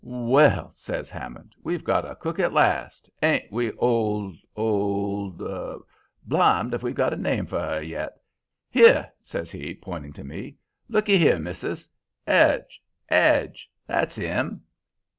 "'Well,' says Hammond, 'we've got a cook at last. Ain't we, old old Blimed if we've got a name for 'er yet! Here!' says he, pointing to me. 'Looky here, missis! 'Edge! 'Edge! that's 'im!